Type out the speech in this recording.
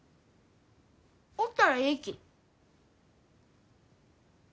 おったらえいき。